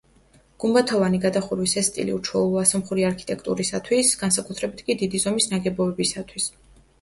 გუმბათოვანი გადახურვის ეს სტილი უჩვეულოა სომხური არქიტექტურისათვის, განსაკუთრებით კი დიდი ზომის ნაგებობებისათვის.